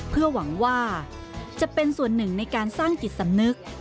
เพื่อหวังว่าจะเป็นส่วนหนึ่งในการสร้างจิตสำนึก